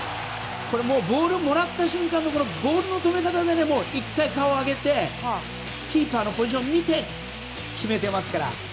もうボールもらった瞬間のボールの止め方でもう、１回顔を上げてキーパーのポジションを見て決めていますから。